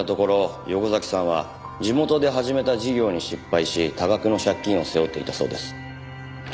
横崎さんは地元で始めた事業に失敗し多額の借金を背負っていたそうです。